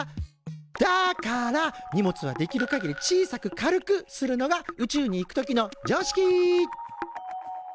だから荷物はできるかぎり小さく軽くするのが宇宙に行く時の常識。